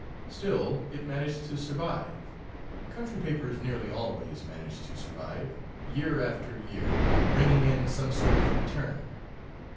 Still, it managed to survive country papers nearly always manage to survive year after year, bringing in some sort of return.